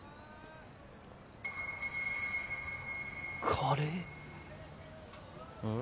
カレー？ん？